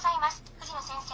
藤野先生